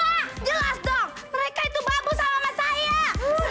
jelas dong mereka itu babu sama mas saya